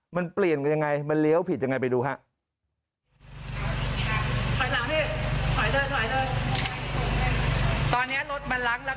มันเปลี่ยนกันยังไงมันเลี้ยวผิดยังไงไปดูครับ